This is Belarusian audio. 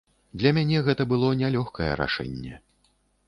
Для мяне гэта было нялёгкае рашэнне.